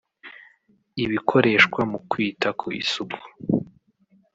ibikoreshwa mu kwita ku isuku